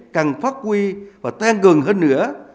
càng phát huy và tăng gần hơn nữa